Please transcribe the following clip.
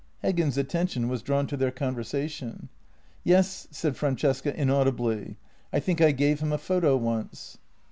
Heggen's attention was drawn to their conversation. " Yes," said Francesca inaudibly; " I think I gave him a photo once."